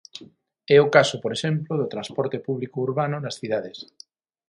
É o caso, por exemplo, do transporte público urbano nas cidades.